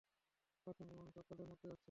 অসংখ্য মানুষ অকালে মরতে যাচ্ছে!